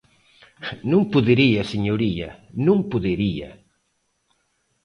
Non podería señoría, ¡non podería!